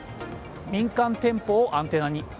民間店舗をアンテナに。